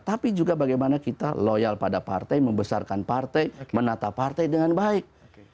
tapi juga bagaimana kita loyal pada partai membesarkan partai menata partai dengan baik